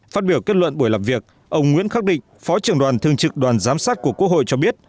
phát biểu kết luận buổi làm việc ông nguyễn khắc định phó trưởng đoàn thương trực đoàn giám sát của quốc hội cho biết